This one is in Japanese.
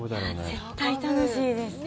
絶対楽しいです。